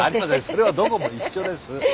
それはどこも一緒です。